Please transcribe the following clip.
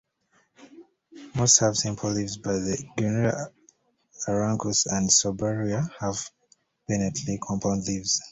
Most have simple leaves, but the genera "Aruncus" and "Sorbaria" have pinnately compound leaves.